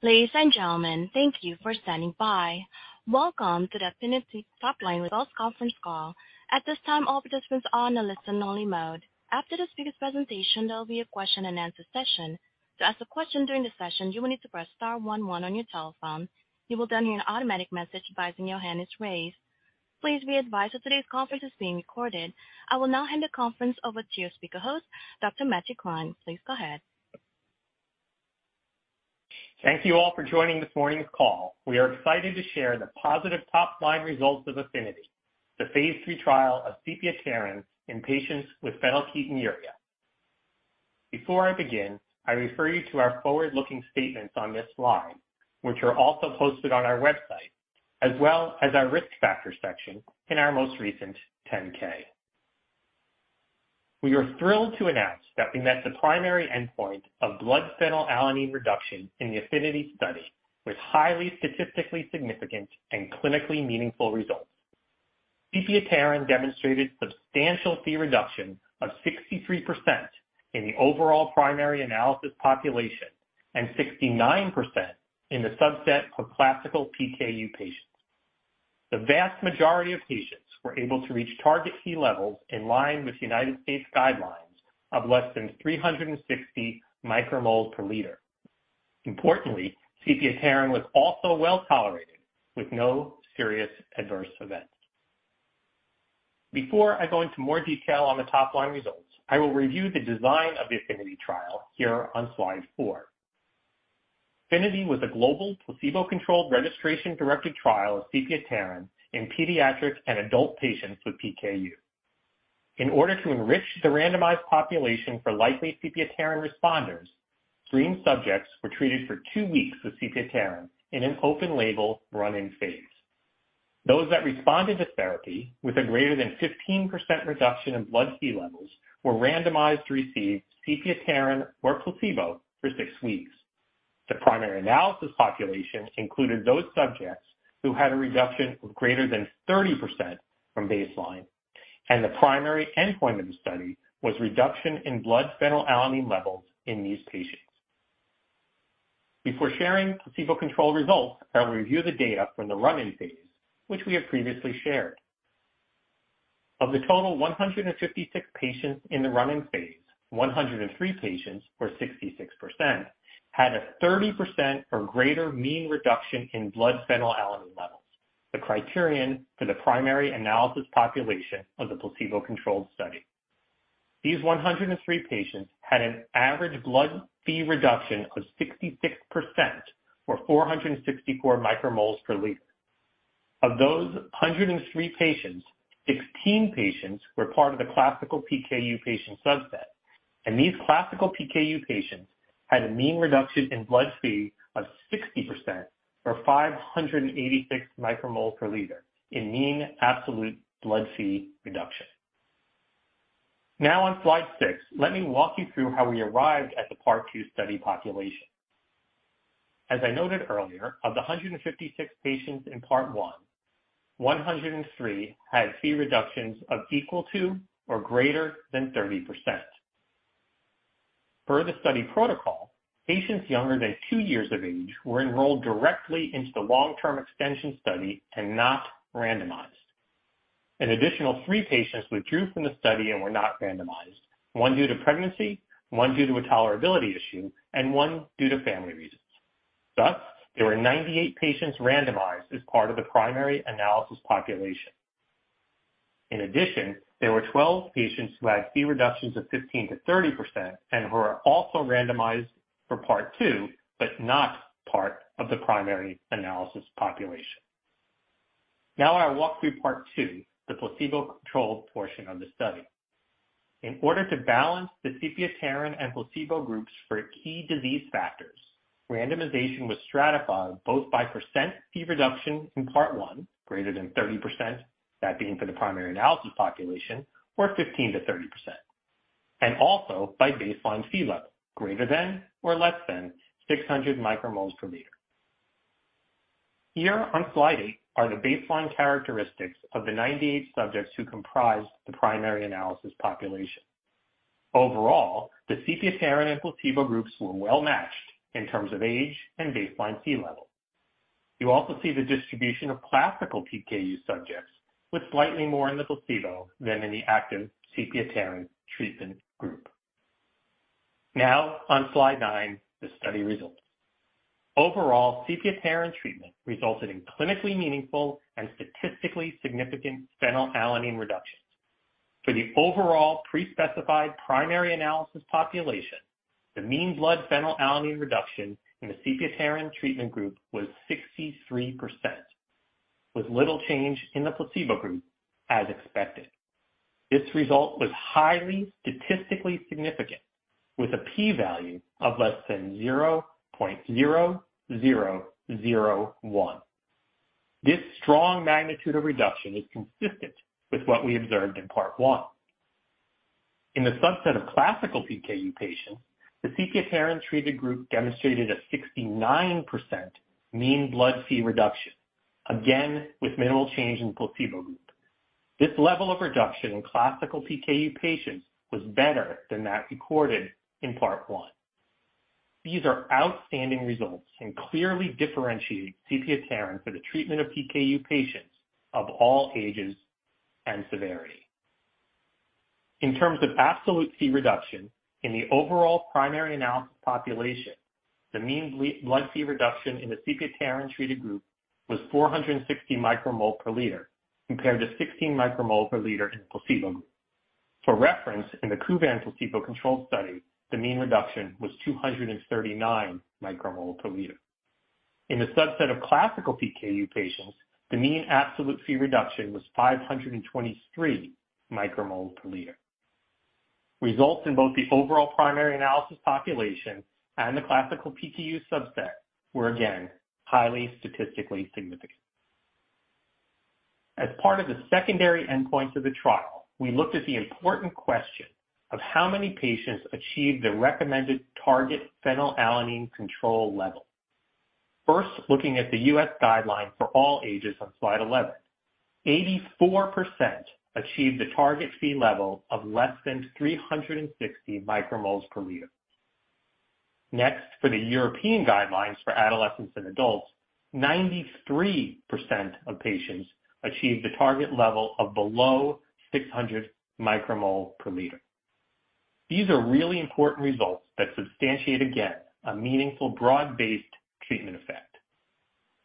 Ladies and gentlemen, thank you for standing by. Welcome to the APHENITY Top Line Results Conference Call. At this time, all participants are on a listen only mode. After the speaker's presentation, there will be a question and answer session. To ask a question during the session, you will need to press star one one on your telephone. You will hear an automatic message advising your hand is raised. Please be advised that today's conference is being recorded. I will now hand the conference over to your speaker host, Dr. Matthew Klein. Please go ahead. Thank you all for joining this morning's call. We are excited to share the positive top line results of Aphenity, the phase III trial of sepiapterin in patients with phenylketonuria. Before I begin, I refer you to our forward-looking statements on this slide, which are also posted on our website as well as our risk factors section in our most recent 10-K. We are thrilled to announce that we met the primary endpoint of blood phenylalanine reduction in the Aphenity study with highly statistically significant and clinically meaningful results. Sepiapterin substantial Phe reduction of 63% in the overall primary analysis population and 69% in the subset of classical PKU patients. The vast majority of patients were able to reach target key levels in line with United States guidelines of less than 360 micromoles per liter. Importantly, sepiapterin was also well tolerated with no serious adverse events. Before I go into more detail on the top line results, I will review the design of the Aphenity trial here on slide 4. Aphenity was a global placebo-controlled registration directed trial of sepiapterin in pediatric and adult patients with PKU. In order to enrich the randomized population for likely sepiapterin responders, screen subjects were treated for two weeks with sepiapterin in an open label run-in phase. Those that responded to therapy with a greater than 15% reduction in blood Phe levels were randomized to receive sepiapterin or placebo for six weeks. The primary analysis population included those subjects who had a reduction of greater than 30% from baseline, and the primary endpoint of the study was reduction in blood phenylalanine levels in these patients. Before sharing placebo-controlled results, I'll review the data from the run-in phase which we have previously shared. Of the total 156 patients in the run-in phase, 103 patients, or 66%, had a 30% or greater mean reduction in blood phenylalanine levels, the criterion for the primary analysis population of the placebo-controlled study. These 103 patients had an average blood Phe reduction of 66%, or 464 micromoles per liter. Of those 103 patients, 16 patients were part of the classical PKU patient subset, and these classical PKU patients had a mean reduction in blood Phe of 60% or 586 micromoles per liter in mean absolute blood Phe reduction. On slide 6, let me walk you through how we arrived at the part two study population. As I noted earlier, of the 156 patients in part one, 103 had Phe reductions of equal to or greater than 30%. Per the study protocol, patients younger than 2 years of age were enrolled directly into the long term extension study and not randomized. An additional 3 patients withdrew from the study and were not randomized, 1 due to pregnancy, 1 due to a tolerability issue, and 1 due to family reasons. Thus, there were 98 patients randomized as part of the primary analysis population. In addition, there were 12 patients who had Phe reductions of 15%-30% and who are also randomized for part two, but not part of the primary analysis population. Now I walk through part two, the placebo-controlled portion of the study. In order to balance the sepiapterin and placebo groups for key disease factors, randomization was stratified both by % Phe reduction in part 1 greater than 30%, that being for the primary analysis population or 15%-30%, and also by baseline Phe level greater than or less than 600 micromoles per liter. Here on slide 8 are the baseline characteristics of the 98 subjects who comprised the primary analysis population. The sepiapterin and placebo groups were well matched in terms of age and baseline Phe level. You also see the distribution of classical PKU subjects with slightly more in the placebo than in the active sepiapterin treatment group. On slide 9, the study results. Sepiapterin treatment resulted in clinically meaningful and statistically significant phenylalanine reductions. For the overall pre-specified primary analysis population, the mean blood phenylalanine reduction in the sepiapterin treatment group was 63%, with little change in the placebo group as expected. This result was highly statistically significant with a P value of less than 0.0001. This strong magnitude of reduction is consistent with what we observed in part 1. In the subset of classical PKU patients, the sepiapterin treated group demonstrated a 69% mean blood Phe reduction, again with minimal change in placebo group. This level of reduction in classical PKU patients was better than that recorded in part 1. These are outstanding results and clearly differentiate sepiapterin for the treatment of PKU patients of all ages and severity. In terms of absolute Phe reduction in the overall primary analysis population, the mean blood Phe reduction in the sepiapterin-treated group was 460 micromole per liter compared to 16 micromole per liter in the placebo group. For reference, in the KUVAN placebo-controlled study, the mean reduction was 239 micromole per liter. In the subset of classical PKU patients, the mean absolute Phe reduction was 523 micromole per liter. Results in both the overall primary analysis population and the classical PKU subset were again highly statistically significant. Part of the secondary endpoints of the trial, we looked at the important question of how many patients achieved the recommended target phenylalanine control level. First, looking at the U.S. guideline for all ages on slide 11. 84% achieved the target Phe level of less than 360 micromoles per liter. For the European guidelines for adolescents and adults, 93% of patients achieved the target level of below 600 micromole per liter. These are really important results that substantiate, again, a meaningful broad-based treatment effect.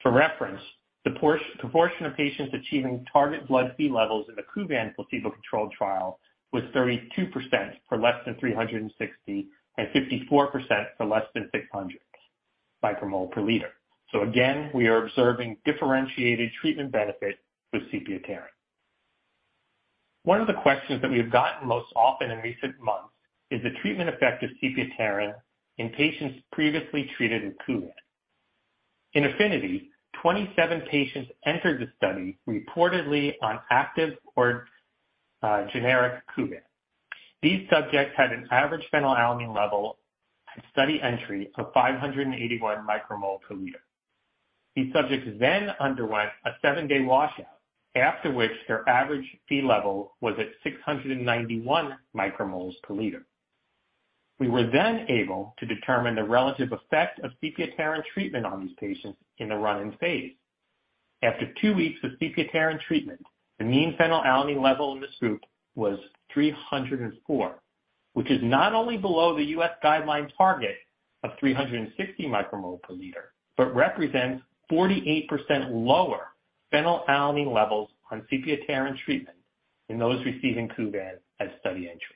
For reference, the proportion of patients achieving target blood Phe levels in the KUVAN placebo-controlled trial was 32% for less than 360 and 54% for less than 600 micromole per liter. Again, we are observing differentiated treatment benefit with sepiapterin. One of the questions that we have gotten most often in recent months is the treatment effect of sepiapterin in patients previously treated with KUVAN. In Aphenity, 27 patients entered the study reportedly on active or generic KUVAN. These subjects had an average phenylalanine level at study entry of 581 micromole per liter. These subjects then underwent a seven-day washout, after which their average Phe level was at 691 micromoles per liter. We were then able to determine the relative effect of sepiapterin treatment on these patients in the run-in phase. After two weeks of sepiapterin treatment, the mean phenylalanine level in this group was 304, which is not only below the U.S. guideline target of 360 micromoles per liter, but represents 48% lower phenylalanine levels on sepiapterin treatment than those receiving KUVAN at study entry.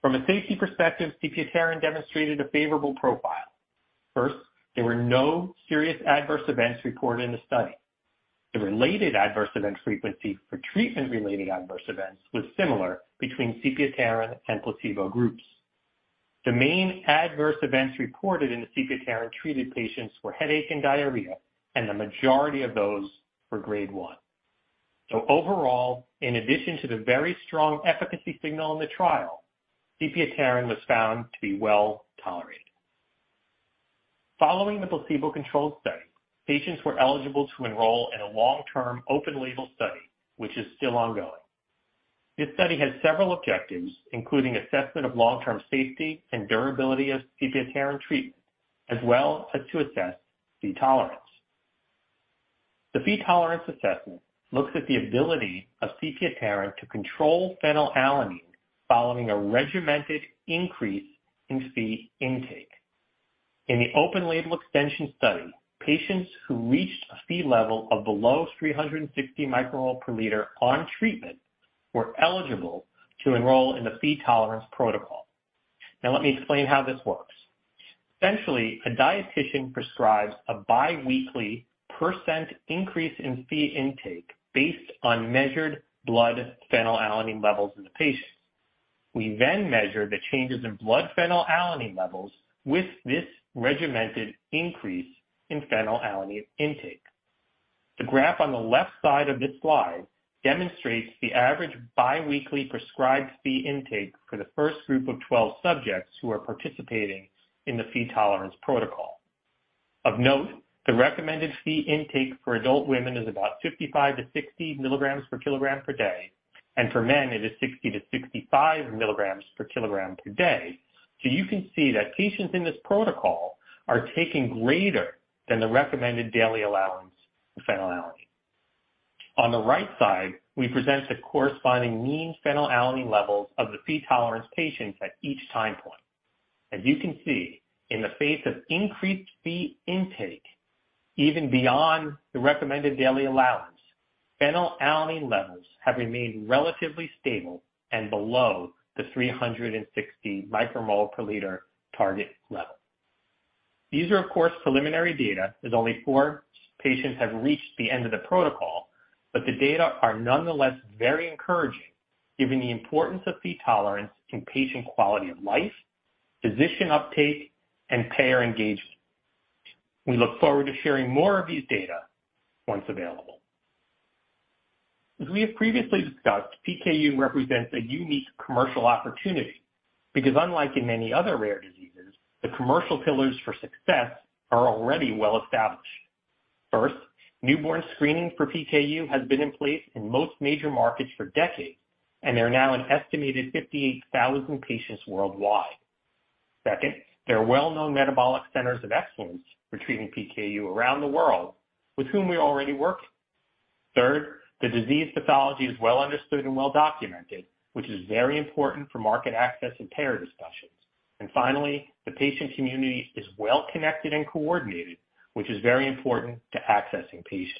From a safety perspective, sepiapterin demonstrated a favorable profile. First, there were no serious adverse events reported in the study. The related adverse event frequency for treatment-related adverse events was similar between sepiapterin and placebo groups. The main adverse events reported in the sepiapterin-treated patients were headache and diarrhea, and the majority of those were grade 1. Overall, in addition to the very strong efficacy signal in the trial, sepiapterin was found to be well tolerated. Following the placebo-controlled study, patients were eligible to enroll in a long-term open label study, which is still ongoing. This study has several objectives, including assessment of long-term safety and durability of sepiapterin treatment, as well as to assess Phe tolerance. The Phe tolerance assessment looks at the ability of sepiapterin to control phenylalanine following a regimented increase in Phe intake. In the open label extension study, patients who reached a Phe level of below 360 micromole per liter on treatment were eligible to enroll in the Phe tolerance protocol. Let me explain how this works. Essentially, a dietician prescribes a biweekly % increase in Phe intake based on measured blood phenylalanine levels in the patient. We measure the changes in blood phenylalanine levels with this regimented increase in phenylalanine intake. The graph on the left side of this slide demonstrates the average biweekly prescribed Phe intake for the first group of 12 subjects who are participating in the Phe tolerance protocol. Of note, the recommended Phe intake for adult women is about 55-60 mgs per kg per day, and for men it is 60-65 mgs per kg per day. You can see that patients in this protocol are taking greater than the recommended daily allowance of phenylalanine. On the right side, we present the corresponding mean phenylalanine levels of the Phe tolerance patients at each time point. As you can see, in the face of increased Phe intake, even beyond the recommended daily allowance, phenylalanine levels have remained relatively stable and below the 360 micromole per liter target level. These are, of course, preliminary data, as only 4 patients have reached the end of the protocol, but the data are nonetheless very encouraging given the importance of Phe tolerance in patient quality of life, physician uptake, and payer engagement. We look forward to sharing more of these data once available. As we have previously discussed, PKU represents a unique commercial opportunity because unlike in many other rare diseases. The commercial pillars for success are already well established. First, newborn screening for PKU has been in place in most major markets for decades, and there are now an estimated 58,000 patients worldwide. There are well-known metabolic centers of excellence for treating PKU around the world with whom we already work. The disease pathology is well understood and well documented, which is very important for market access and payer discussions. Finally, the patient community is well connected and coordinated, which is very important to accessing patients.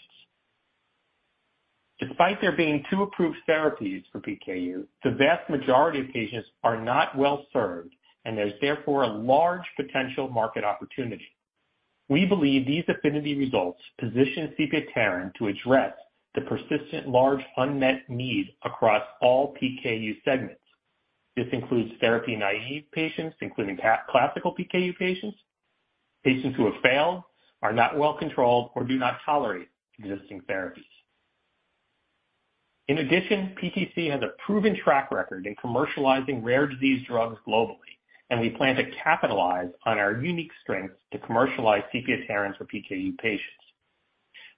Despite there being two approved therapies for PKU, the vast majority of patients are not well served, and there's therefore a large potential market opportunity. We believe these Aphenity results position sepiapterin to address the persistent large unmet need across all PKU segments. This includes therapy-naive patients, including classical PKU patients who have failed, are not well controlled, or do not tolerate existing therapies. In addition, PTC has a proven track record in commercializing rare disease drugs globally, we plan to capitalize on our unique strengths to commercialize sepiapterin for PKU patients.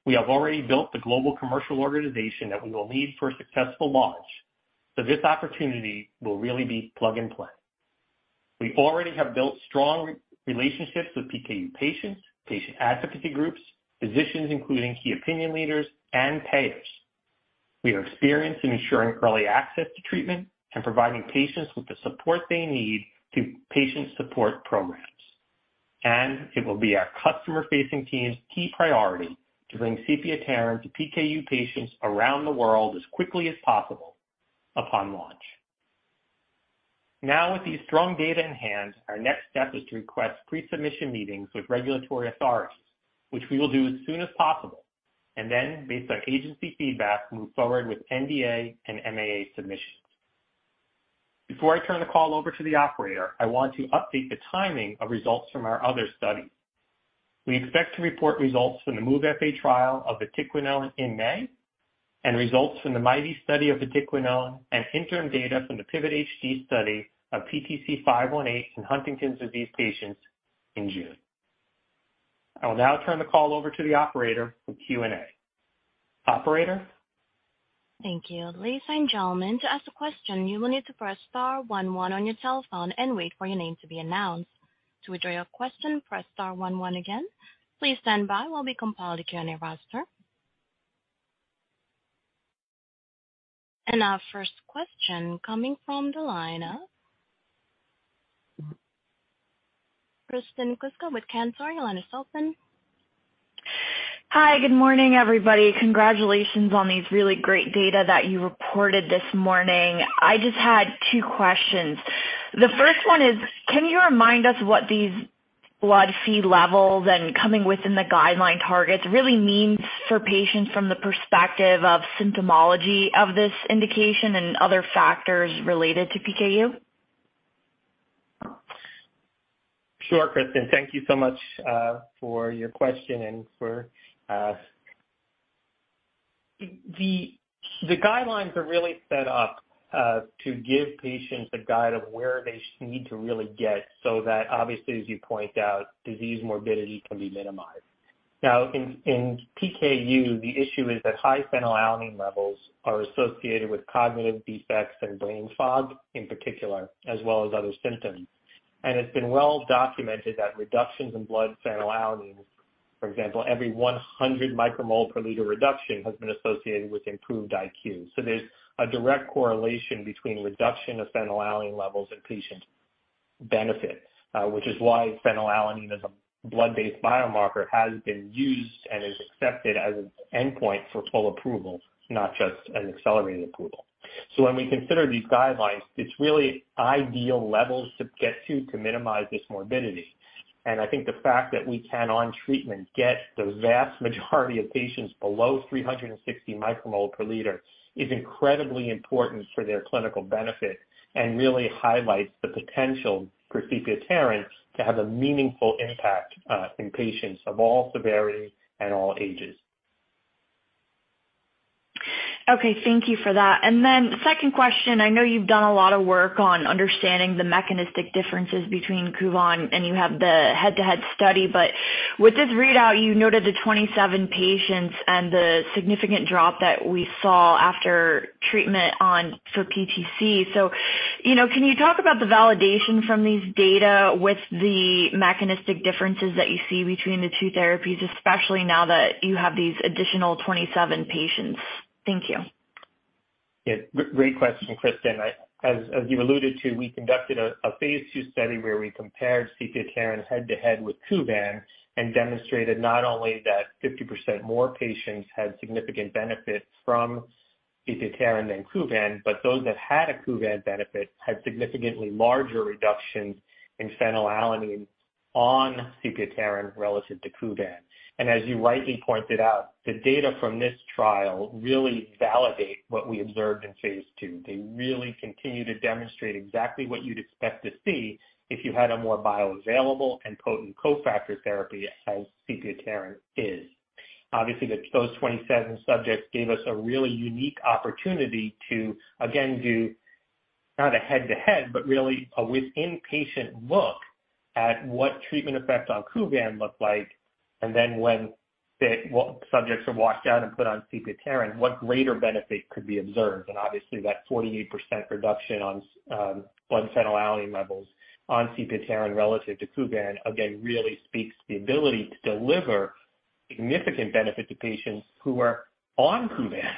We have already built the global commercial organization that we will need for a successful launch, this opportunity will really be plug-and-play. We already have built strong relationships with PKU patients, patient advocacy groups, physicians, including key opinion leaders and payers. We have experience in ensuring early access to treatment and providing patients with the support they need through patient support programs. It will be our customer-facing team's key priority to bring sepiapterin to PKU patients around the world as quickly as possible upon launch. Now, with these strong data in hand, our next step is to request pre-submission meetings with regulatory authorities, which we will do as soon as possible. Based on agency feedback, move forward with NDA and MAA submissions. Before I turn the call over to the operator, I want to update the timing of results from our other studies. We expect to report results from the MOVE-FA trial of ticagrelor in May and results from the MIGHTY study of ticagrelor and interim data from the PIVOT-HD study of PTC518 in Huntington's disease patients in June. I will now turn the call over to the operator for Q&A. Operator? Thank you. Ladies and gentlemen, to ask a question, you will need to press star one one on your telephone and wait for your name to be announced. To withdraw your question, press star one one again. Please stand by while we compile the Q&A roster. Our first question coming from the line of Kristen Kluska with Canaccord Genuity. Line is open. Hi. Good morning, everybody. Congratulations on these really great data that you reported this morning. I just had two questions. The first one is, can you remind us what these blood Phe levels and coming within the guideline targets really means for patients from the perspective of symptomology of this indication and other factors related to PKU? Sure, Kristen. Thank you so much for your question and for the guidelines are really set up to give patients a guide of where they need to really get so that obviously, as you point out, disease morbidity can be minimized. In PKU, the issue is that high phenylalanine levels are associated with cognitive defects and brain fog in particular, as well as other symptoms. It's been well documented that reductions in blood phenylalanine, for example, every 100 micromole per liter reduction has been associated with improved IQ. There's a direct correlation between reduction of phenylalanine levels and patient benefits, which is why phenylalanine as a blood-based biomarker has been used and is accepted as an endpoint for full approval, not just an accelerated approval. When we consider these guidelines, it's really ideal levels to get to minimize this morbidity. I think the fact that we can, on treatment, get the vast majority of patients below 360 micromole per liter is incredibly important for their clinical benefit and really highlights the potential for sepiapterin to have a meaningful impact in patients of all severities and all ages. Okay. Thank you for that. Second question, I know you've done a lot of work on understanding the mechanistic differences between KUVAN, and you have the head-to-head study. With this readout, you noted the 27 patients and the significant drop that we saw after treatment for PTC. You know, can you talk about the validation from these data with the mechanistic differences that you see between the two therapies, especially now that you have these additional 27 patients? Thank you. Yeah. Great question, Kristen. as you alluded to, we conducted a phase II study where we compared sepiapterin head-to-head with KUVAN and demonstrated not only that 50% more patients had significant benefit from sepiapterin than KUVAN, but those that had a KUVAN benefit had significantly larger reductions in phenylalanine on sepiapterin relative to KUVAN. as you rightly pointed out, the data from this trial really validate what we observed in phase II. They really continue to demonstrate exactly what you'd expect to see if you had a more bioavailable and potent cofactor therapy, as sepiapterin is. Obviously, those 27 subjects gave us a really unique opportunity to again do not a head-to-head, but really a within-patient look at what treatment effects on KUVAN look like. then when what subjects are washed out and put on sepiapterin, what greater could be observed. Obviously, that 48% reduction on blood phenylalanine levels on sepiapterin relative to KUVAN, again, really speaks to the ability to deliver significant benefit to patients who are on KUVAN.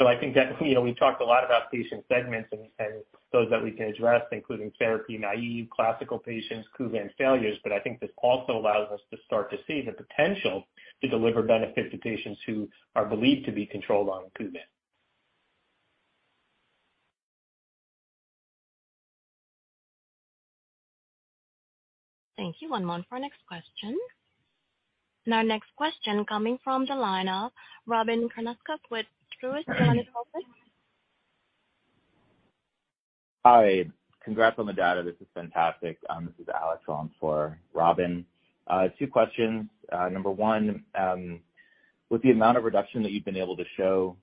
I think that, you know, we've talked a lot about patient segments and those that we can address, including therapy naive, classical patients, KUVAN failures. I think this also allows us to start to see the potential to deliver benefit to patients who are believed to be controlled on KUVAN. Thank you. One moment for our next question. Our next question coming from the line of Robyn Karnauskas with Truist. Your line is open. Hi. Congrats on the data. This is fantastic. This alex for Robin. Two questions. Number one, with the amount of reduction that you've been able to show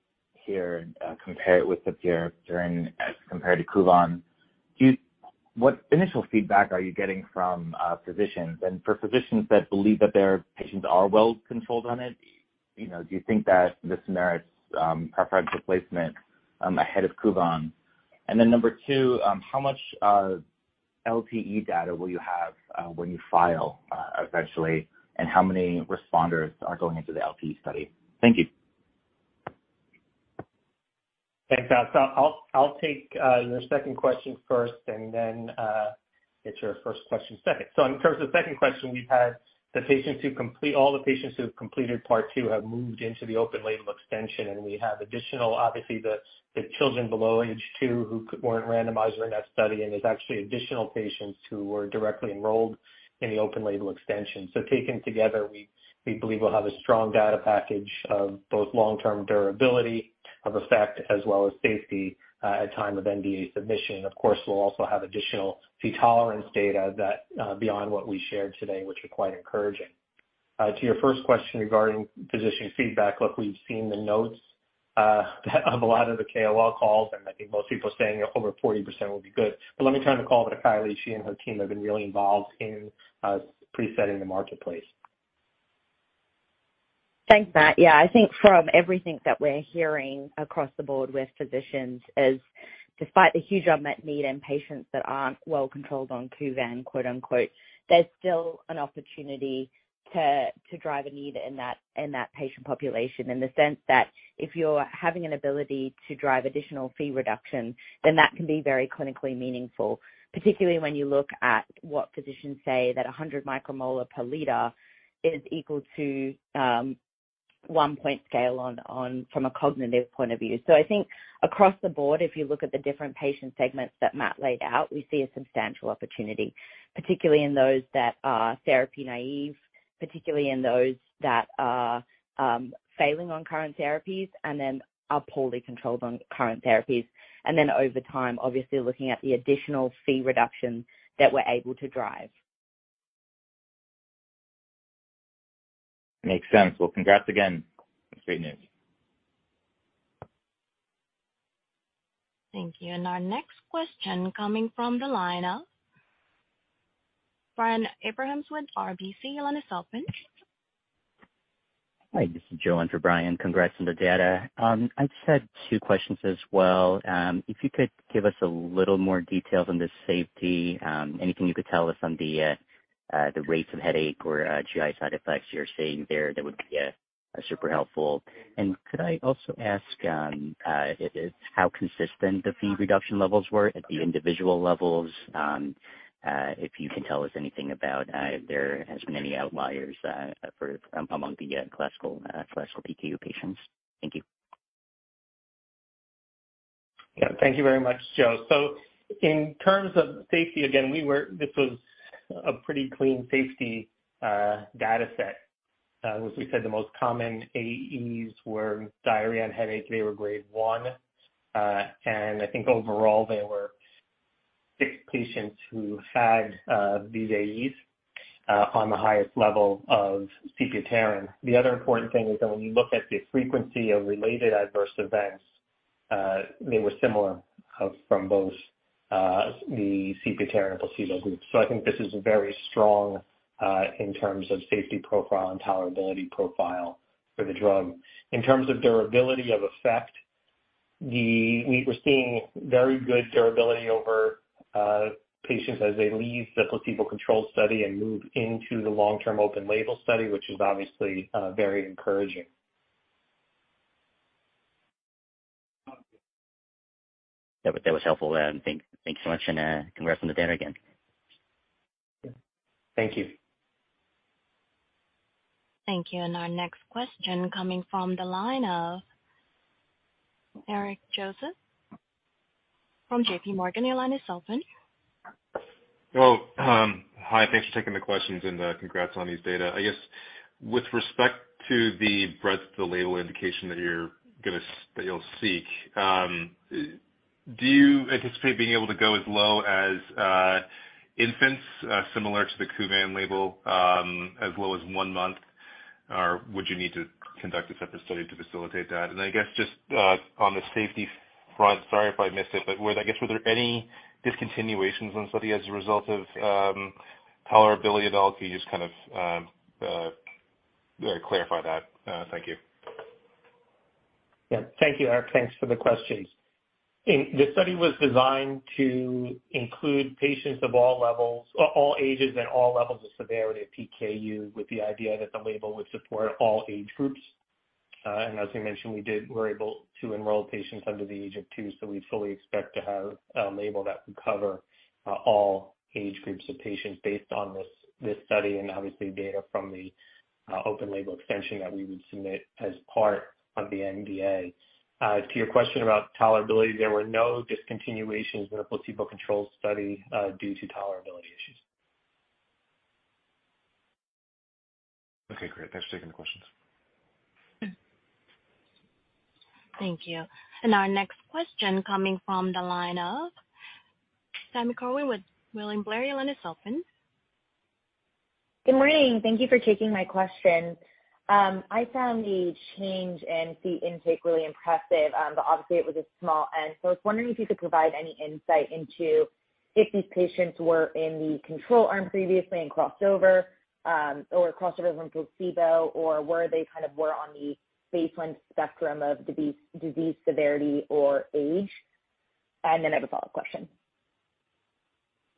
here, compare it with sepiapterin as compared to KUVAN, what initial feedback are you getting from physicians? For physicians that believe that their patients are well controlled on it, you know, do you think that this merits preferential placement ahead of KUVAN? Number two, how much LTE data will you have when you file eventually, and how many responders are going into the LTE study? Thank you. Thanks, Alex. I'll take your second question first and then get your first question second. In terms of the second question, we've had all the patients who have completed part 2 have moved into the open label extension. We have additional, obviously, the children below age 2 who weren't randomized during that study. There's actually additional patients who were directly enrolled in the open label extension. Taken together, we believe we'll have a strong data package of both long-term durability of effect as well as safety at time of NDA submission. Of course, we'll also have additional Phe tolerance data that beyond what we shared today, which is quite encouraging. To your first question regarding physician feedback. Look, we've seen the notes, of a lot of the KOL calls, and I think most people are saying over 40% will be good. Let me turn the call over to Kylie. She and her team have been really involved in presetting the marketplace. Thanks, Matt. Yeah. I think from everything that we're hearing across the board with physicians is despite the huge unmet need in patients that aren't well controlled on KUVAN, quote unquote, there's still an opportunity to drive a need in that patient population, in the sense that if you're having an ability to drive additional Phe reductions, then that can be very clinically meaningful. Particularly when you look at what physicians say that 100 micromolar per liter is equal to 1 point scale from a cognitive point of view. I think across the board, if you look at the different patient segments that Matt laid out, we see a substantial opportunity, particularly in those that are therapy naive, particularly in those that are failing on current therapies and then are poorly controlled on current therapies. Over time, obviously looking at the additional fee reductions that we're able to drive. Makes sense. Well, congrats again. It's great news. Thank you. Our next question coming from the line of Brian Abrahams with RBC. Your line is open. Hi, this is Joe in for Brian. Congrats on the data. I just had two questions as well. If you could give us a little more detail on the safety, anything you could tell us on the rates of headache or GI side effects you're seeing there, that would be super helpful. Could I also ask, how consistent the Phe reduction levels were at the individual levels? If you can tell us anything about if there has been any outliers among the classical PKU patients. Thank you. Yeah. Thank you very much, Joe. In terms of safety, again, this was a pretty clean safety data set. As we said, the most common AEs were diarrhea and headache. They were grade 1. I think overall there were 6 patients who had these AEs on the highest level of sepiapterin. The other important thing is that when you look at the frequency of related adverse events, they were similar from both the sepiapterin and placebo groups. I think this is very strong in terms of safety profile and tolerability profile for the drug. In terms of durability of effect, we're seeing very good durability over patients as they leave the placebo-controlled study and move into the long-term open label study, which is obviously very encouraging. That was helpful. Thanks so much. Congrats on the data again. Thank you. Thank you. Our next question coming from the line of Eric Joseph from JPMorgan. Your line is open. Hi. Thanks for taking the questions and congrats on these data. I guess with respect to the breadth of the label indication that you'll seek, do you anticipate being able to go as low as infants, similar to the KUVAN label, as low as one month? Would you need to conduct a separate study to facilitate that? I guess just on the safety front, sorry if I missed it, but I guess, were there any discontinuations on the study as a result of tolerability? If you could just kind of clarify that. Thank you. Yeah. Thank you, Eric. Thanks for the questions. The study was designed to include patients of all ages and all levels of severity of PKU with the idea that the label would support all age groups. As we mentioned, we did. We're able to enroll patients under the age of two, so we fully expect to have a label that can cover all age groups of patients based on this study and obviously data from the open label extension that we would submit as part of the NDA. To your question about tolerability, there were no discontinuations in the placebo-controlled study due to tolerability issues. Okay, great. Thanks for taking the questions. Thank you. Our next question coming from the line of Sami Corwin with William Blair. Your line is open. Good morning. Thank you for taking my question. I found the change in the intake really impressive, but obviously it was a small end. I was wondering if you could provide any insight into if these patients were in the control arm previously and crossed over, or crossed over from placebo, or were they on the baseline spectrum of disease severity or age. I have a follow-up question.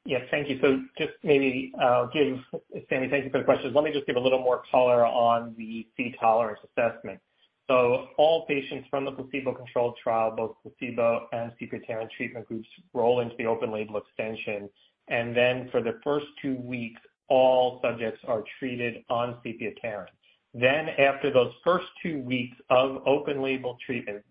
Yes, thank you. Just maybe, Sammy, thank you for the question. Let me just give a little more color on the Phe tolerance assessment. All patients from the placebo-controlled trial, both placebo and sepiapterin treatment groups, roll into the open label extension. For the first two weeks, all subjects are treated on sepiapterin. After those first two weeks of open label treatment,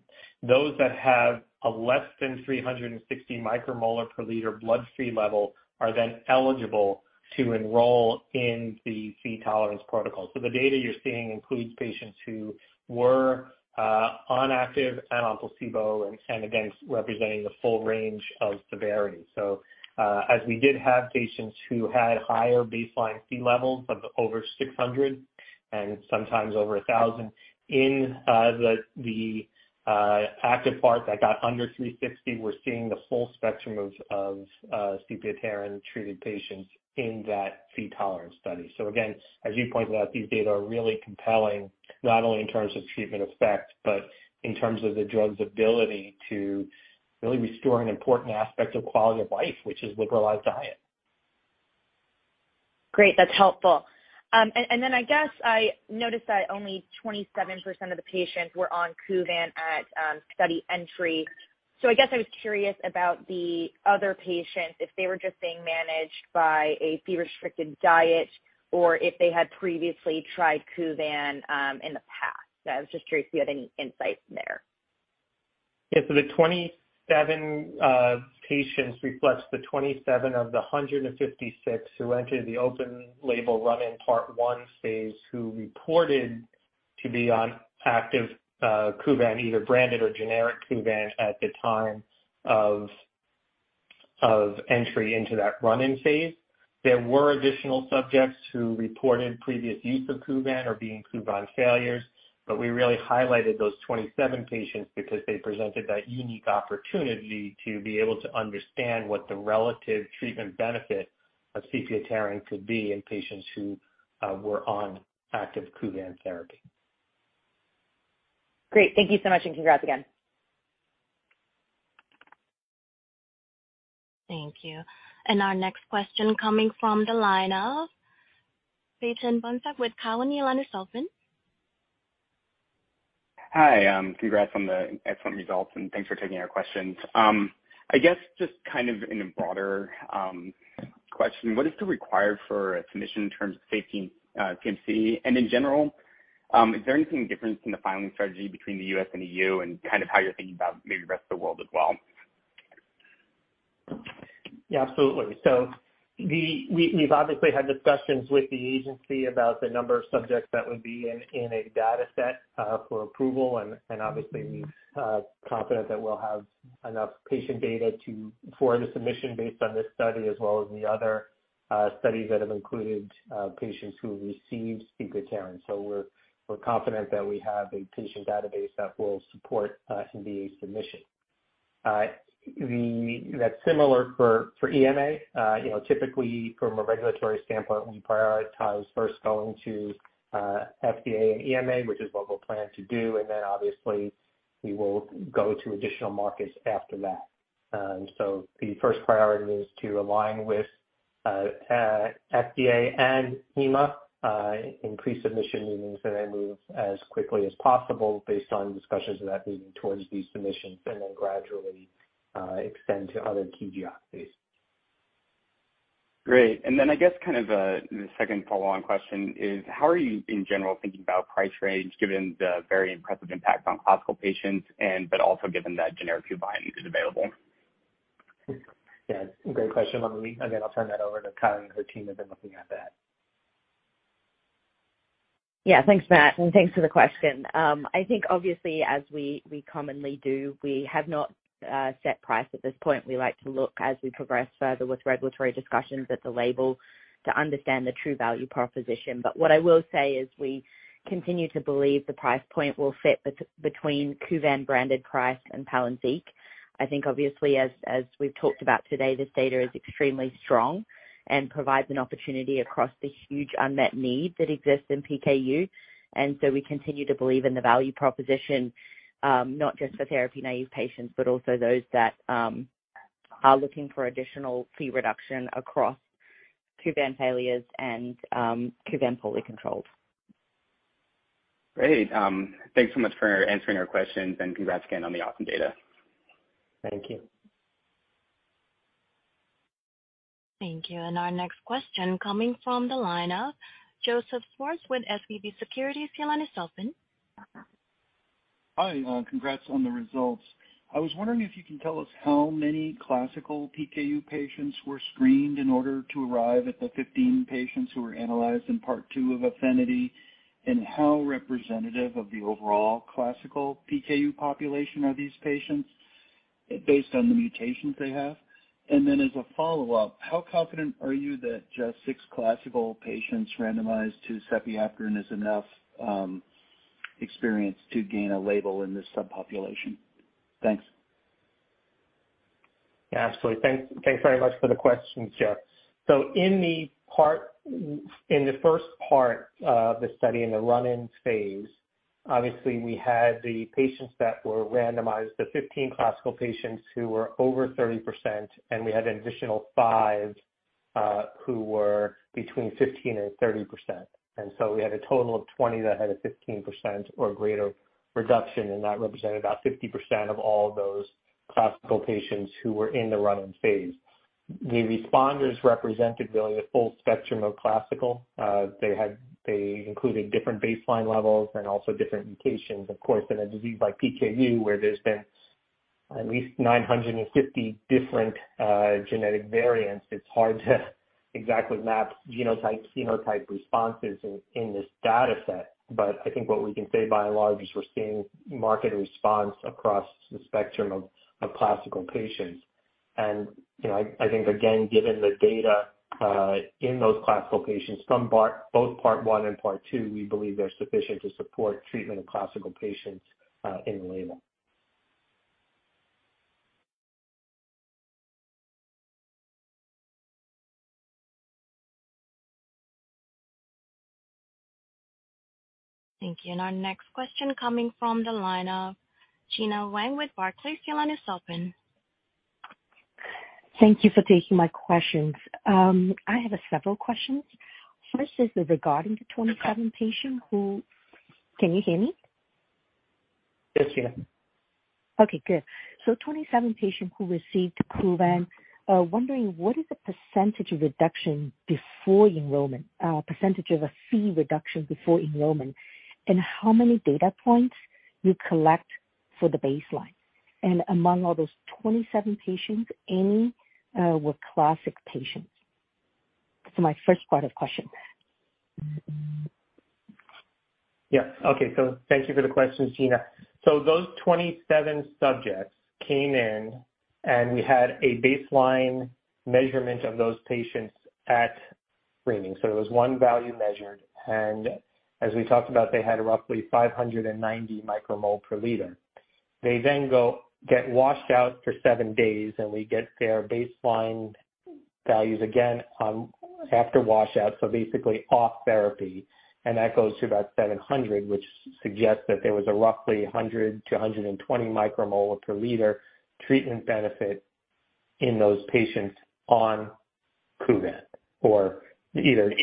those that have a less than 360 micromolar per liter bloodstream level are then eligible to enroll in the Phe tolerance protocol. The data you're seeing includes patients who were on active and on placebo and again, representing the full range of severity. As we did have patients who had higher baseline Phe levels of over 600 and sometimes over 1,000. In the active part that got under 360, we're seeing the full spectrum of sepiapterin-treated patients in that Phe tolerance study. Again, as you pointed out, these data are really compelling, not only in terms of treatment effect, but in terms of the drug's ability to really restore an important aspect of quality of life, which is liberalized diet. Great. That's helpful. Then I guess I noticed that only 27% of the patients were on KUVAN at study entry. I guess I was curious about the other patients, if they were just being managed by a Phe restricted diet or if they had previously tried KUVAN in the past. I was just curious if you had any insight there. Yeah. The 27 patients reflects the 27 of the 156 who entered the open label run-in part one phase who reported to be on active KUVAN, either branded or generic KUVAN at the time of entry into that run-in phase. There were additional subjects who reported previous use of KUVAN or being KUVAN failures. We really highlighted those 27 patients because they presented that unique opportunity to be able to understand what the relative treatment benefit of sepiapterin could be in patients who were on active KUVAN therapy. Great. Thank you so much, and congrats again. Thank you. Our next question coming from the line of Séhithen Bunsakwith Cowen. Your line is open. Hi. Congrats on the excellent results, and thanks for taking our questions. I guess just kind of in a broader question, what is still required for a submission in terms of safety, PMC? In general, is there anything different from the filing strategy between the U.S. and E.U. and kind of how you're thinking about maybe the rest of the world as well? Yeah, absolutely. We've obviously had discussions with the agency about the number of subjects that would be in a dataset for approval. Obviously, we're confident that we'll have enough patient data for the submission based on this study as well as the other studies that have included patients who received sepiapterin. We're confident that we have a patient database that will support an NDA submission. That's similar for EMA. You know, typically from a regulatory standpoint, we prioritize first going to FDA and EMA, which is what we'll plan to do, and then obviously we will go to additional markets after that. The first priority is to align with FDA and EMA in pre-submission meetings, and then move as quickly as possible based on discussions of that meeting towards these submissions and then gradually extend to other key geographies. Great. Then I guess kind of, the second follow-on question is how are you in general thinking about price range, given the very impressive impact on classical patients but also given that generic KUVAN is available? Yeah, great question. Again, I'll turn that over to Kylie. Her team have been looking at that. Yeah. Thanks, Matt, and thanks for the question. I think obviously as we commonly do, we have not set price at this point. We like to look as we progress further with regulatory discussions at the label to understand the true value proposition. What I will say is we continue to believe the price point will fit between KUVAN-branded price and Palynziq. I think obviously as we've talked about today, this data is extremely strong and provides an opportunity across the huge unmet need that exists in PKU. We continue to believe in the value proposition, not just for therapy-naive patients, but also those that are looking for additional Phe reduction across KUVAN failures and KUVAN poly controls. Great. Thanks so much for answering our questions, and congrats again on the awesome data. Thank you. Thank you. Our next question coming from the line of Joseph Schwartz with SVB Securities. Your line is open. Hi, congrats on the results. I was wondering if you can tell us how many classical PKU patients were screened in order to arrive at the 15 patients who were analyzed in part two of Aphenity, and how representative of the overall classical PKU population are these patients based on the mutations they have? As a follow-up, how confident are you that just six classical patients randomized to sepiapterin is enough, experience to gain a label in this subpopulation? Thanks. Yeah, absolutely. Thanks, very much for the question, Joe. In the first part of the study, in the run-in phase, obviously we had the patients that were randomized, the 15 classical patients who were over 30%, and we had an additional 5 who were between 15% and 30%. We had a total of 20 that had a 15% or greater reduction, and that represented about 50% of all those classical patients who were in the run-in phase. The responders represented really the full spectrum of classical. They included different baseline levels and also different mutations. Of course, in a disease like PKU where there's been at least 950 different genetic variants, it's hard to exactly map genotype, phenotype responses in this data set. I think what we can say by and large is we're seeing market response across the spectrum of classical patients. You know, I think again, given the data in those classical patients from both part one and part two, we believe they're sufficient to support treatment of classical patients in the label. Thank you. Our next question coming from the line of Gena Wang with Barclays. Your line is open. Thank you for taking my questions. I have several questions. First is regarding the 27 patient who. Can you hear me? Yes, Gena. Okay, good. 27 patient who received KUVAN, wondering what is the % of reduction before enrollment, % of a Phe reduction before enrollment, and how many data points you collect for the baseline? Among all those 27 patients, any were classic patients? This is my first part of question. Yeah. Okay. Thank you for the question, Gena. Those 27 subjects came in, and we had a baseline measurement of those patients at screening. It was one value measured. As we talked about, they had roughly 590 micromole per liter. They then go get washed out for seven days, and we get their baseline values again on after washout, so basically off therapy. That goes to about 700, which suggests that there was a roughly 100-120 micromole per liter treatment benefit in those patients on KUVAN or either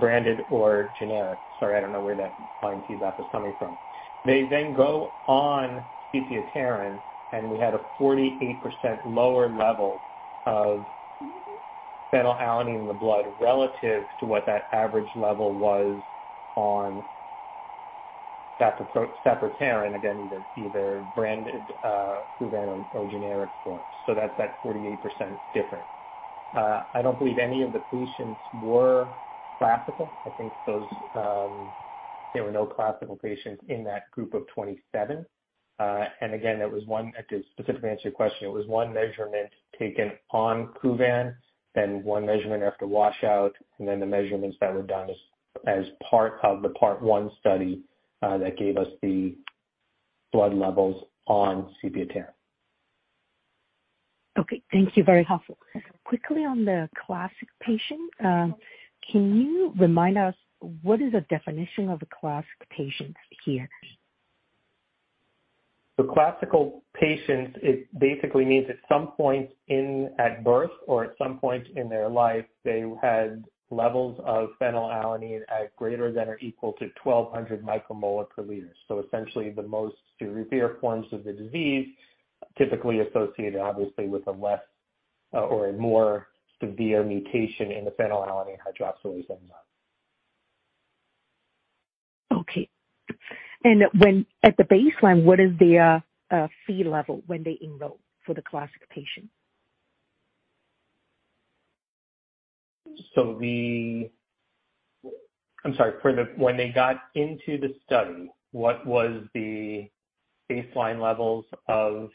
branded or generic. Sorry, I don't know where that line feedback is coming from. They go on sepiapterin, we had a 48% lower level of phenylalanine in the blood relative to what that average level was on sapropterin, again, either branded KUVAN or generic form. That 48% is different. I don't believe any of the patients were classical. I think those, there were no classical patients in that group of 27. Again, to specifically answer your question, it was one measurement taken on KUVAN, one measurement after washout, the measurements that were done as part of the part one study, that gave us the blood levels on sepiapterin. Okay. Thank you. Very helpful. Quickly on the classic patient, can you remind us what is the definition of a classic patient here? The classical patients, it basically means at some point in at birth or at some point in their life, they had levels of phenylalanine at greater than or equal to 1,200 micromolar per liter. Essentially the most severe forms of the disease, typically associated obviously with a less, or a more severe mutation in the phenylalanine hydroxylase enzyme. Okay. At the baseline, what is their Phe level when they enroll for the classic patient? I'm sorry, when they got into the study, what was the baseline levels of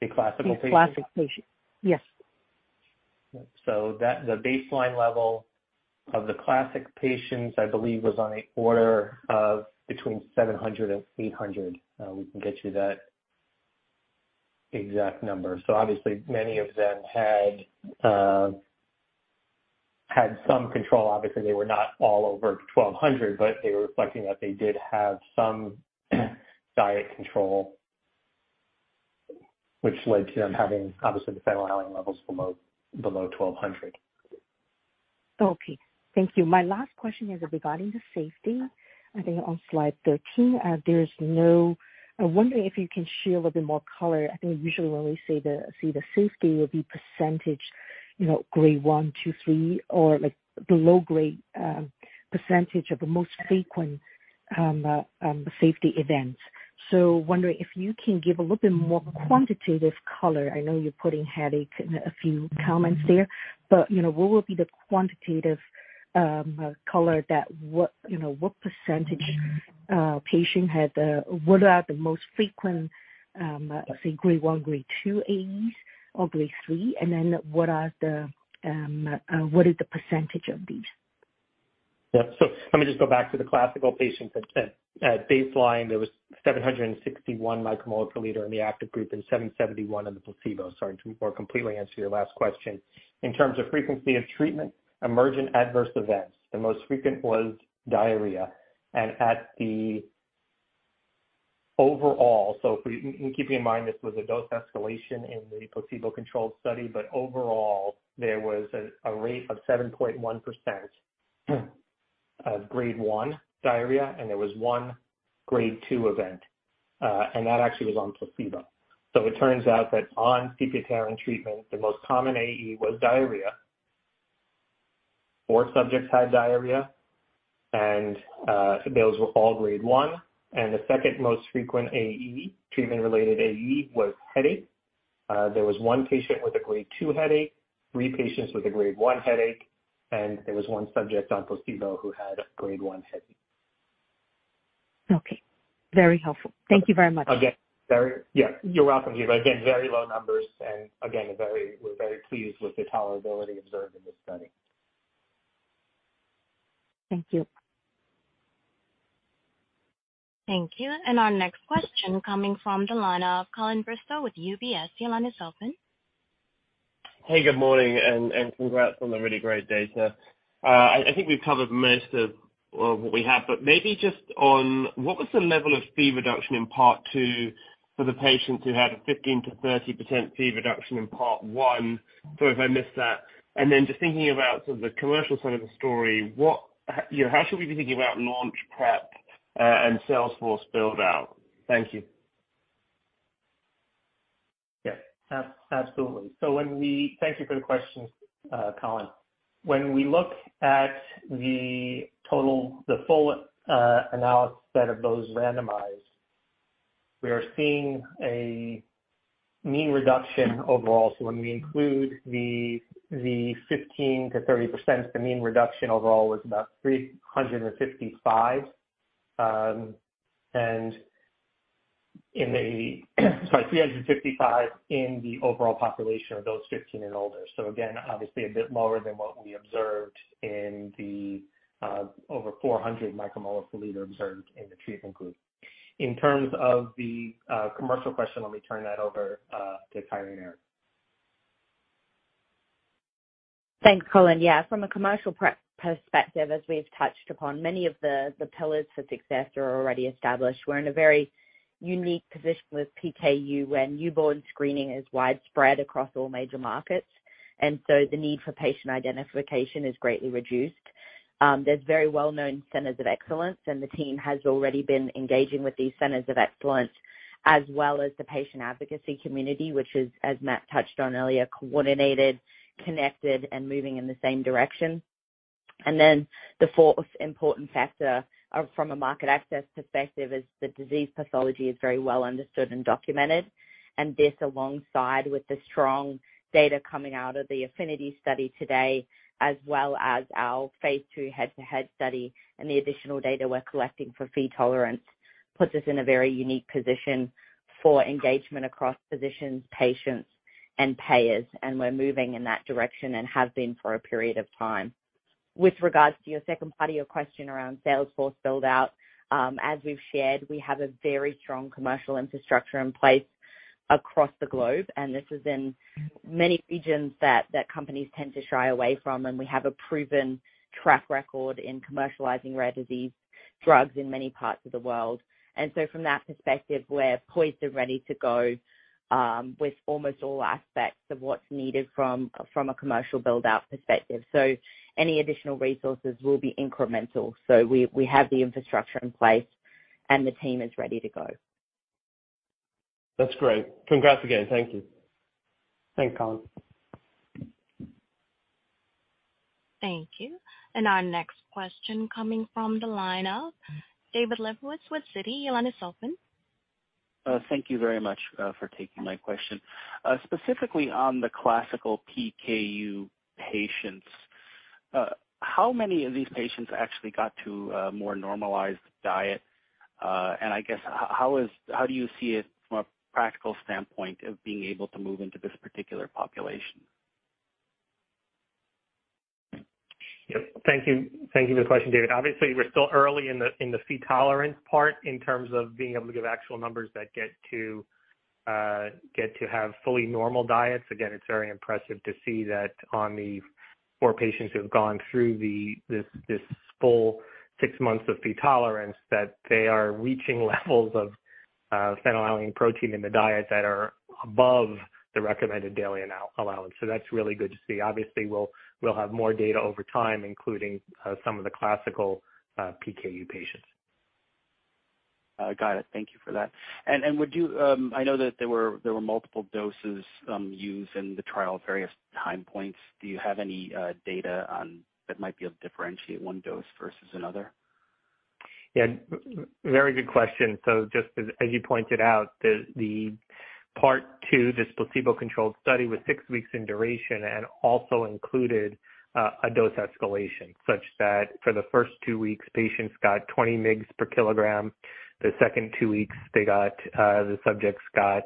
the classical patients? The classic patient. Yes. The baseline level of the classic patients, I believe, was on the order of between 700 and 800. We can get you that exact number. Obviously many of them had had some control. Obviously, they were not all over 1,200, but they were reflecting that they did have some diet control, which led to them having obviously the phenylalanine levels below 1,200. Okay. Thank you. My last question is regarding the safety. I think on slide 13, I'm wondering if you can share a little bit more color. I think usually when we see the safety will be percentage, you know, grade one, two, three or like the low grade percentage of the most frequent safety events. Wondering if you can give a little bit more quantitative color. I know you're putting headache and a few comments there, but, you know, what will be the quantitative color that what, you know, what percentage patient had, what are the most frequent, say grade one, grade two AEs or grade three? What are the, what is the percentage of these? Yeah. Let me just go back to the classical patients. At baseline, there was 761 micromoles per liter in the active group and 771 in the placebo. Sorry, to more completely answer your last question. In terms of frequency of treatment, emergent adverse events, the most frequent was diarrhea. At the overall, keeping in mind this was a dose escalation in the placebo-controlled study. Overall, there was a rate of 7.1% of grade one diarrhea, and there was one grade two event, and that actually was on placebo. It turns out that on sepiapterin treatment the most common AE was diarrhea. Four subjects had diarrhea and those were all grade one. The second most frequent AE, treatment-related AE was headache. There was one patient with a grade two headache, three patients with a grade one headache. There was one subject on placebo who had grade one headache. Okay, very helpful. Thank you very much. Again, yeah, you're welcome, Gena. Again, very low numbers and again, we're very pleased with the tolerability observed in this study. Thank you. Thank you. Our next question coming from the line of Colin Bristow with UBS. Your line is open. Hey, good morning and congrats on the really great data. I think we've covered most of, well, what we have, but maybe just on what was the level of Phe reduction in part two for the patients who had a 15%-30% Phe reduction in part one? Sorry if I missed that. Then just thinking about sort of the commercial side of the story, what, you know, how should we be thinking about launch prep and sales force build out? Thank you. Yeah. Absolutely. When we thank you for the question, Colin. When we look at the full analysis set of those randomized, we are seeing a mean reduction overall. When we include the 15%-30%, the mean reduction overall was about 355. And in the 355 in the overall population of those 15 and older. Again, obviously a bit lower than what we observed in the over 400 micromoles per liter observed in the treatment group. In terms of the commercial question, let me turn that over to Kylie and Erica. Thanks, Colin. Yeah, from a commercial perspective, as we've touched upon, many of the pillars for success are already established. We're in a very unique position with PKU, when newborn screening is widespread across all major markets, and so the need for patient identification is greatly reduced. There's very well-known centers of excellence, and the team has already been engaging with these centers of excellence as well as the patient advocacy community, which is, as Matt touched on earlier, coordinated, connected, and moving in the same direction. Then the fourth important factor, from a market access perspective is the disease pathology is very well understood and documented. This, alongside with the strong data coming out of the Aphenity study today, as well as our phase II head-to-head study and the additional data we're collecting for Phe tolerance, puts us in a very unique position for engagement across physicians, patients, and payers. We're moving in that direction and have been for a period of time. With regards to your second part of your question around sales force build-out. As we've shared, we have a very strong commercial infrastructure in place across the globe, and this is in many regions that companies tend to shy away from. We have a proven track record in commercializing rare disease drugs in many parts of the world. From that perspective, we're poised and ready to go with almost all aspects of what's needed from a commercial build-out perspective. Any additional resources will be incremental. We have the infrastructure in place, and the team is ready to go. That's great. Congrats again. Thank you. Thanks, Colin. Thank you. Our next question coming from the line of David Lebowitz with Citi. Your line is open. Thank you very much for taking my question. Specifically on the classical PKU patients, how many of these patients actually got to a more normalized diet? I guess how do you see it from a practical standpoint of being able to move into this particular population? Yep. Thank you. Thank you for the question, David. Obviously, we're still early in the Phe tolerance part in terms of being able to give actual numbers that get to have fully normal diets. Again, it's very impressive to see that on the four patients who have gone through this full six months of Phe tolerance, that they are reaching levels of phenylalanine protein in the diet that are above the recommended daily allowance. That's really good to see. Obviously, we'll have more data over time, including some of the classical PKU patients. Got it. Thank you for that. I know that there were multiple doses, used in the trial at various time points. Do you have any data on that might be able to differentiate one dose versus another? Very good question. Just as you pointed out, the part two, this placebo-controlled study was six weeks in duration and also included a dose escalation such that for the first two weeks, patients got 20 mgs per kg. The second two weeks they got, the subjects got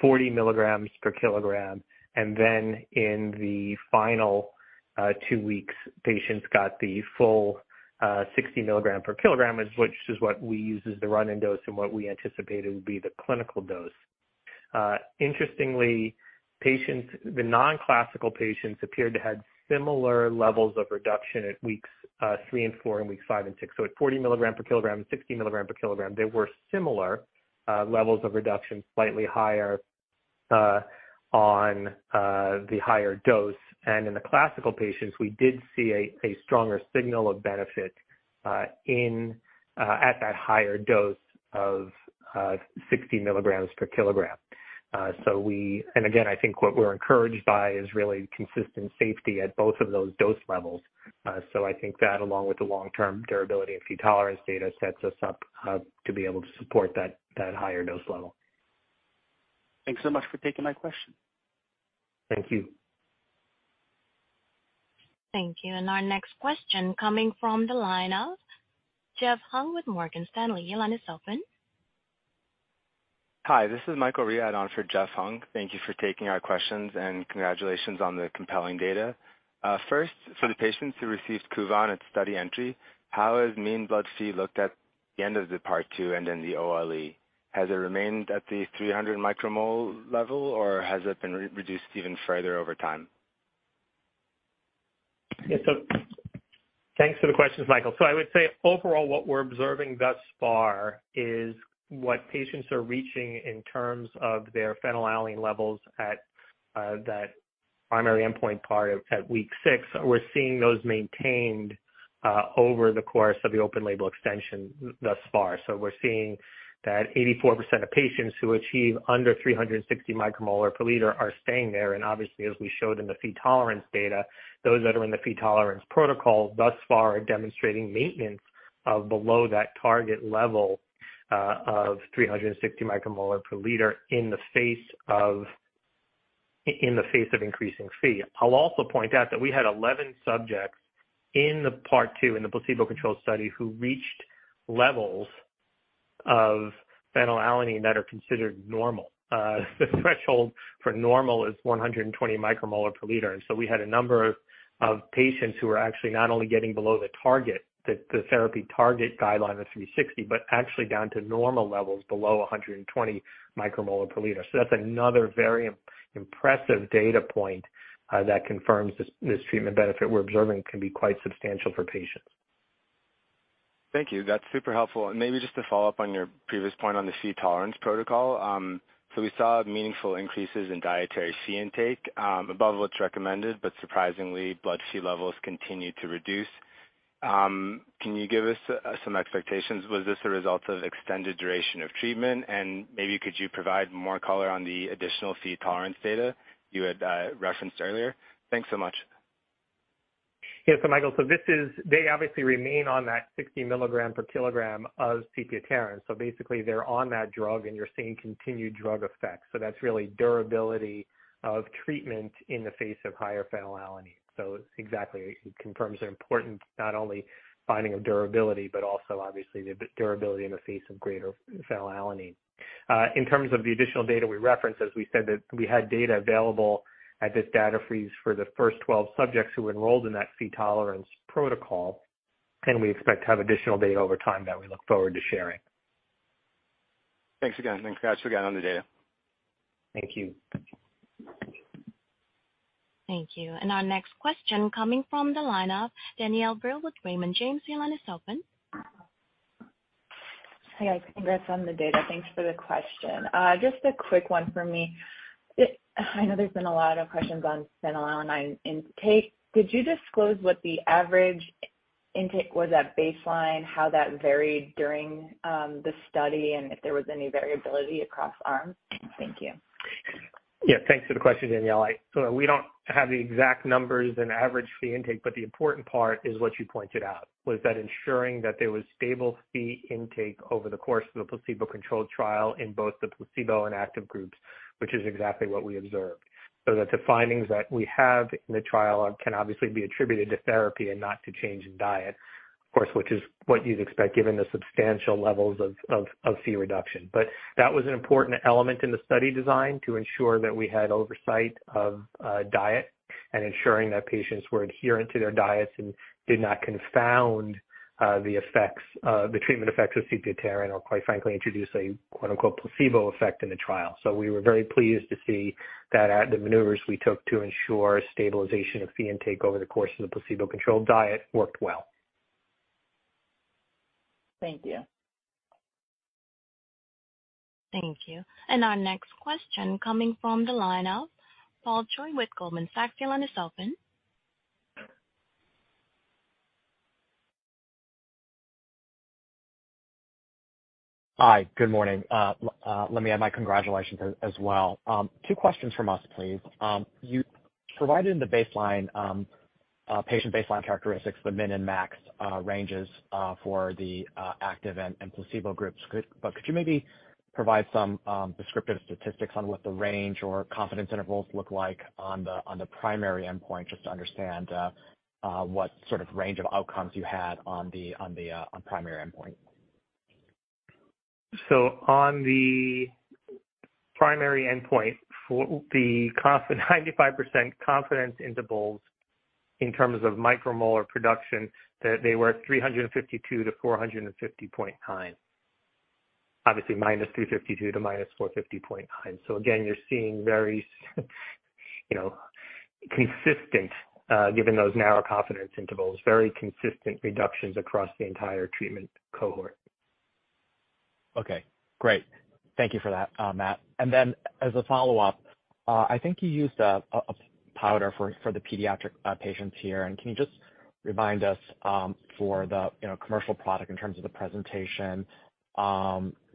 40 mgs per kg. In the final two weeks, patients got the full 60 mg per kg, which is what we use as the run-in dose and what we anticipated would be the clinical dose. Interestingly, the non-classical patients appeared to have similar levels of reduction at weeks three and four and weeks five and six. At 40 mg per kg and 60 mg per kg, there were similar levels of reduction, slightly higher on the higher dose. In the classical patients, we did see a stronger signal of benefit, in at that higher dose of, 60 mgs per kg. We and again, I think what we're encouraged by is really consistent safety at both of those dose levels. I think that along with the long-term durability of Phe tolerance data sets us up, to be able to support that higher dose level. Thanks so much for taking my question. Thank you. Thank you. Our next question coming from the line of Jeff Hung with Morgan Stanley. Your line is open. Hi, this is Michael Reid on for Jeff Hung. Thank you for taking our questions, and congratulations on the compelling data. First, for the patients who received KUVAN at study entry, how has mean blood Phe looked at the end of the part two and in the OLE? Has it remained at the 300 micromole level, or has it been re-reduced even further over time? Yeah. Thanks for the questions, Michael. I would say overall, what we're observing thus far is what patients are reaching in terms of their phenylalanine levels at that primary endpoint part of at week six. We're seeing those maintained over the course of the open label extension thus far. We're seeing that 84% of patients who achieve under 360 micromolar per liter are staying there. Obviously, as we showed in the Phe tolerance data, those that are in the Phe tolerance protocol thus far are demonstrating maintenance of below that target level of 360 micromolar per liter in the face of increasing Phe. I'll also point out that we had 11 subjects in the part two, in the placebo-controlled study, who reached levels of phenylalanine that are considered normal. The threshold for normal is 120 micromolar per liter. We had a number of patients who were actually not only getting below the target, the therapy target guideline of 360, but actually down to normal levels below 120 micromolar per liter. That's another very impressive data point that confirms this treatment benefit we're observing can be quite substantial for patients. Thank you. That's super helpful. Maybe just to follow up on your previous point on the Phe tolerance protocol. So we saw meaningful increases in dietary Phe intake, above what's recommended, but surprisingly blood Phe levels continued to reduce. Can you give us some expectations? Was this a result of extended duration of treatment? Maybe could you provide more color on the additional Phe tolerance data you had referenced earlier? Thanks so much. Michael, they obviously remain on that 60 mg per kg of sepiapterin. basically, they're on that drug, and you're seeing continued drug effects. that's really durability of treatment in the face of higher phenylalanine. exactly, it confirms an important not only finding of durability, but also obviously the durability in the face of greater phenylalanine. in terms of the additional data we referenced, as we said that we had data available at this data freeze for the first 12 subjects who enrolled in that Phe tolerance protocol, and we expect to have additional data over time that we look forward to sharing. Thanks again. Thanks guys again on the data. Thank you. Thank you. Our next question coming from the line of Danielle Brill with Raymond James. Your line is open. Hey, guys. Congrats on the data. Thanks for the question. just a quick one for me. I know there's been a lot of questions on phenylalanine intake. Could you disclose what the average... intake, was that baseline, how that varied during, the study, and if there was any variability across arms? Thank you. Yeah, thanks for the question, Danielle. We don't have the exact numbers and average Phe intake, the important part is what you pointed out, was that ensuring that there was stable Phe intake over the course of the placebo-controlled trial in both the placebo and active groups, which is exactly what we observed. The findings that we have in the trial are, can obviously be attributed to therapy and not to change in diet, of course, which is what you'd expect given the substantial levels of Phe reduction. That was an important element in the study design to ensure that we had oversight of diet and ensuring that patients were adherent to their diets and did not confound the effects, the treatment effects of sepiapterin, or quite frankly, introduce a quote-unquote, "placebo effect" in the trial. We were very pleased to see that at the maneuvers we took to ensure stabilization of Phe intake over the course of the placebo-controlled diet worked well. Thank you. Thank you. Our next question coming from the line of Paul Choi with Goldman Sachs. Your line is open. Hi, good morning. Let me add my congratulations as well. Two questions from us, please. You provided the baseline patient baseline characteristics, the min and max ranges for the active and placebo groups. Could you maybe provide some descriptive statistics on what the range or confidence intervals look like on the primary endpoint, just to understand what sort of range of outcomes you had on the primary endpoint? On the primary endpoint for the 95% confidence intervals in terms of micromolar production, they were at 352 to 450.9. Obviously, -352 to -450.9. Again, you're seeing very, you know, consistent, given those narrow confidence intervals, very consistent reductions across the entire treatment cohort. Okay, great. Thank you for that, Matt. Then as a follow-up, I think you used a powder for the pediatric patients here. Can you just remind us for the, you know, commercial product in terms of the presentation,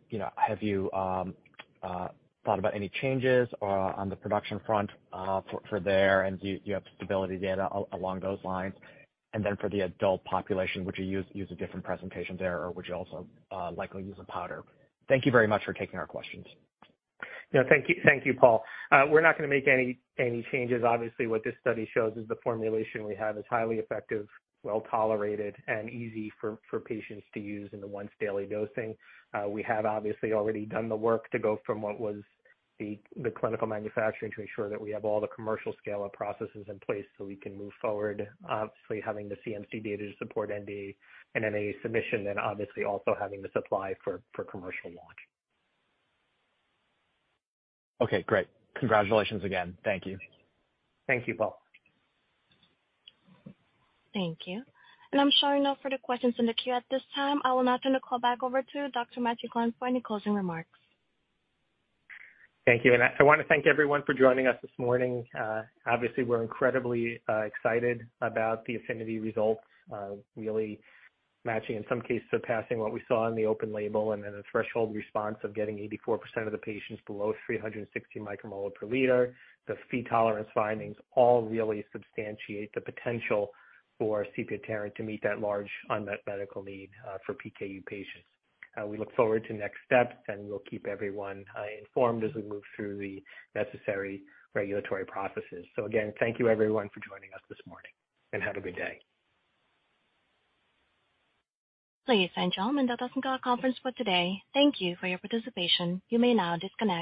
you know, have you thought about any changes on the production front for there? Do you have stability data along those lines? Then for the adult population, would you use a different presentation there, or would you also likely use a powder? Thank you very much for taking our questions. Yeah, thank you, Paul. We're not gonna make any changes. Obviously, what this study shows is the formulation we have is highly effective, well-tolerated, and easy for patients to use in the once daily dosing. We have obviously already done the work to go from what was the clinical manufacturing to ensure that we have all the commercial scale-up processes in place so we can move forward. Obviously, having the CMC data to support NDA and MAA submission and obviously also having the supply for commercial launch. Okay, great. Congratulations again. Thank you. Thank you, Paul. Thank you. I'm showing no further questions in the queue at this time. I will now turn the call back over to Dr. Matthew Klein for any closing remarks. Thank you. I wanna thank everyone for joining us this morning. Obviously we're incredibly excited about the Aphenity results, really matching, in some cases surpassing what we saw in the open label and then a threshold response of getting 84% of the patients below 360 micromolar per liter. The Phe tolerance findings all really substantiate the potential for sepiapterin to meet that large unmet medical need for PKU patients. We look forward to next steps, we'll keep everyone informed as we move through the necessary regulatory processes. Again, thank you everyone for joining us this morning, have a good day. Ladies and gentlemen, that does end our conference for today. Thank you for your participation. You may now disconnect.